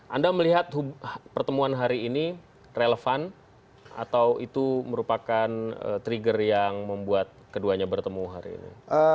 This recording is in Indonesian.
anda melihat pertemuan hari ini relevan atau itu merupakan trigger yang membuat keduanya bertemu hari ini